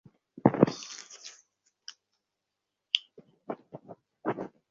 গত প্রায় এক দশক ধরেই পাহাড়ে ধসের ঘটনা এবং প্রাণহানি হচ্ছে।